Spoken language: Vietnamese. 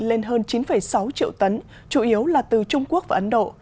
lên hơn chín sáu triệu tấn chủ yếu là từ trung quốc và ấn độ